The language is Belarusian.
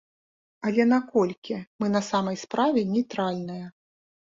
Але наколькі мы на самай справе нейтральныя?